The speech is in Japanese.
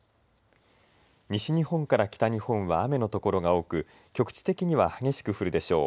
西日本から北日本は雨の所が多く局地的には激しく降るでしょう。